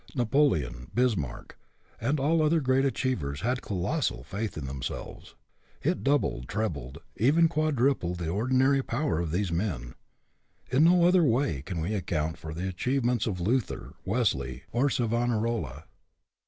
Napoleon, Bismarck, and all other great achievers had colossal faith in themselves. It doubled, trebled, or even quadrupled the ordi nary power of these men. In no other way can we account for the achievements of Luther, Wesley, or Savonarola.